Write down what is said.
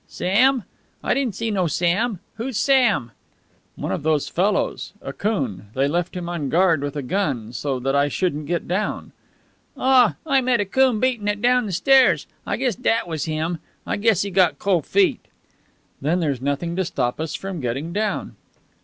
"Sam? I didn't see no Sam. Who's Sam?" "One of those fellows. A coon. They left him on guard with a gun, so that I shouldn't get down." "Ah, I met a coon beating it down de stairs. I guess dat was him. I guess he got cold feet." "Then there's nothing to stop us from getting down."